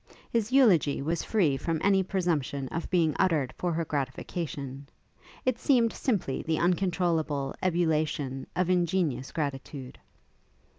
His eulogy was free from any presumption of being uttered for her gratification; it seemed simply the uncontrollable ebullition of ingenuous gratitude.